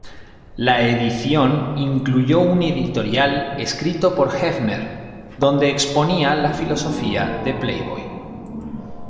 La edición incluyó un editorial escrito por Hefner donde exponía la filosofía de "Playboy".